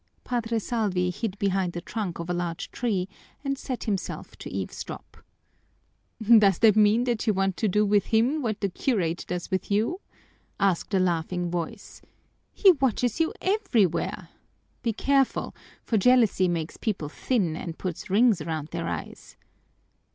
Padre Salvi hid behind the trunk of a large tree and set himself to eavesdrop. "Does that mean that you want to do with him what the curate does with you?" asked a laughing voice. "He watches you everywhere. Be careful, for jealousy makes people thin and puts rings around their eyes."